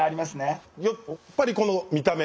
やっぱりこの見た目。